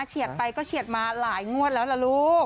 เชียดไปก็เชียดมาหลายโงลแล้วล่ะลูก